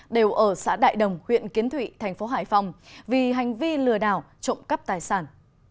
đều ở xã đại đồng huyện kiến thụy thành phố hải phòng vì hành vi lừa đảo trộm cắp tài sản